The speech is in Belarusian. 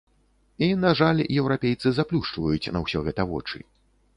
І, на жаль, еўрапейцы заплюшчваюць на ўсё гэта вочы.